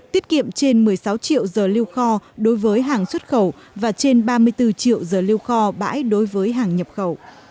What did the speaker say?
tiết kiệm trên một mươi sáu triệu giờ lưu kho đối với hàng xuất khẩu và trên ba mươi bốn triệu giờ lưu kho bãi đối với hàng nhập khẩu